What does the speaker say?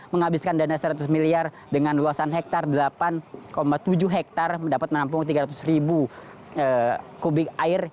menghabiskan dana seratus miliar dengan luasan hektare delapan tujuh hektare dapat menampung tiga ratus ribu kubik air